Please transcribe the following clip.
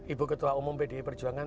ibu ketua umum pdi perjuangan